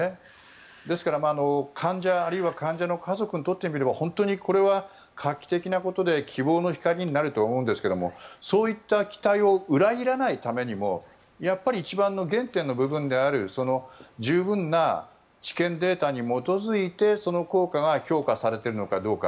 ですから、患者、あるいは患者の家族にとってみれば本当にこれは画期的なことで希望の光になると思うんですけどそういった期待を裏切らないためにもやっぱり一番の原点の部分である十分な治験データに基づいてその効果が評価されているのかどうか。